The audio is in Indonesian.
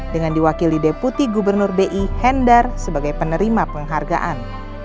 dengan diwakili deputi gubernur bi hendar sebagai penerima penghargaan